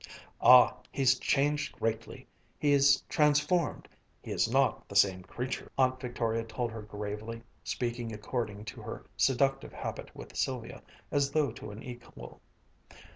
"Ah, he's changed greatly he's transformed he is not the same creature," Aunt Victoria told her gravely, speaking according to her seductive habit with Sylvia, as though to an equal.